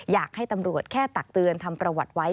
อยากให้ตำรวจแค่ตักเตือนทำประวัติไว้